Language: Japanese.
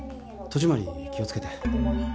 戸締まり気を付けて。